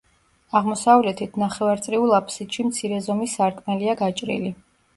აღმოსავლეთით ნახევარწრიულ აფსიდში მცირე ზომის სარკმელია გაჭრილი.